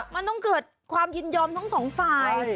มันต้องเกิดความยินยอมทั้งสองฝ่าย